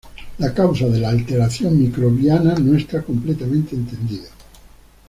La causa de la alteración microbiana no está completamente entendida.